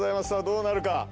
さぁどうなるか？